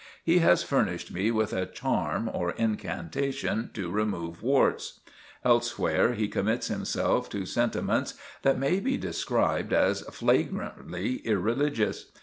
He has furnished me with a charm or incantation to remove warts. Elsewhere he commits himself to sentiments that may be described as flagrantly irreligious.